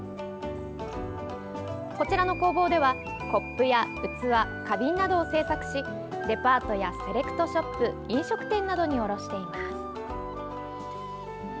こちらの工房ではコップや器、花瓶などを制作しデパートやセレクトショップ飲食店などに卸しています。